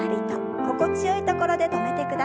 心地よいところで止めてください。